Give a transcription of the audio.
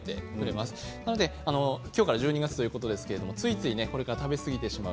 ですので今日から１２月ということですけれどついつい食べ過ぎてしまう。